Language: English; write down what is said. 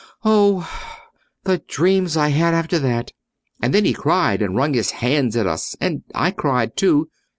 Oh, the dreams I had after that! And then he cried, and wrung his hands at us, and I cried too.